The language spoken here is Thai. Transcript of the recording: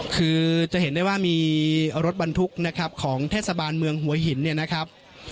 คือจะเห็นได้ว่ามีรถบรรทุกนะครับของเทศบาลเมืองหัวหินเนี่ยนะครับ